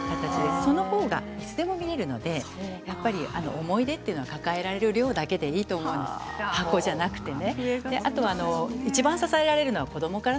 その方がいつでも見られるので思い出は抱えられる量だけでいいと思うんですね箱じゃなくてね。